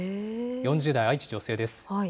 ４０代、愛知、女性です。